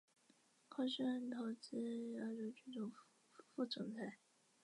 高盛投资亚洲区副总裁。